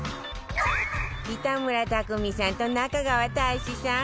北村匠海さんと中川大志さん